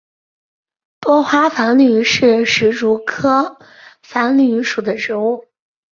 多花繁缕是石竹科繁缕属的植物。